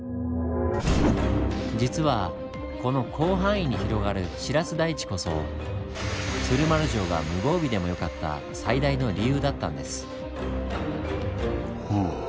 実はこの広範囲に広がるシラス台地こそ鶴丸城が無防備でもよかった最大の理由だったんです。